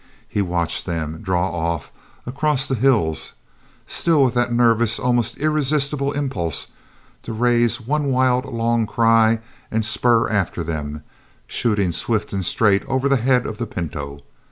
He watched them draw off across the hills, still with that nervous, almost irresistible impulse to raise one wild, long cry and spur after them, shooting swift and straight over the head of the pinto.